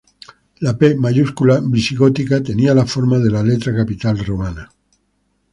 La "P" mayúscula visigótica tenía la forma de la letra capital romana.